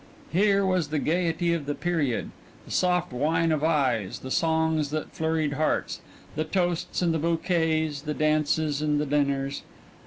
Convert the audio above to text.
Here was the gayety of the period the soft wine of eyes, the songs that flurried hearts, the toasts and the bouquets, the dances and the dinners.